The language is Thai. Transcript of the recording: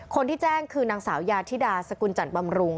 คนที่แจ้งคือนางสาวยาธิดาสกุลจัดบำรุง